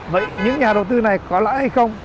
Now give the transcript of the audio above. vậy những nhà đầu tư này có lãi hay không